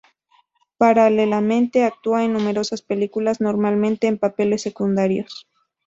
Paralelamente, actúa en numerosas películas, normalmente en papeles secundarios.